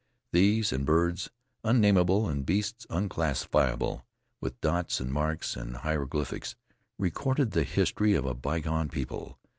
These, and birds unnamable, and beasts unclassable, with dots and marks and hieroglyphics, recorded the history of a bygone people.